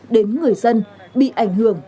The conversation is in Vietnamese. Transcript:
đến người dân bị ảnh hưởng